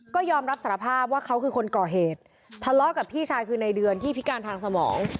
ก็ยอมรับสารภาพว่าเขาคือคนก่อเหตุทะเลาะกับพี่ชายคือในเดือนที่พิการทางสมอง